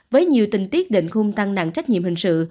với nhiều tình tiết định khung tăng nặng trách nhiệm hình sự